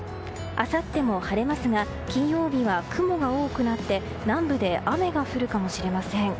あさっても晴れますが金曜日は雲が多くなって南部で雨が降るかもしれません。